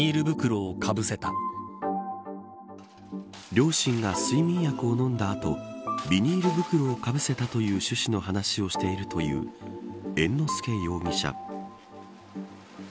両親が睡眠薬を飲んだ後ビニール袋をかぶせたという趣旨の話をしているという猿之助容疑者。